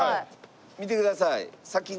見てください先に。